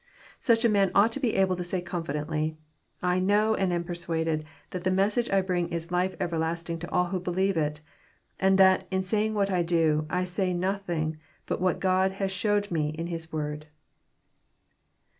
Such a man ought to be able to say confidently, " I know and am persuaded that the message I bring is life everlasting to all who believe it; and that, in saying what I do, I say nothing but what God has showed me in His Word."